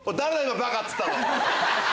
今「バカ」っつったの！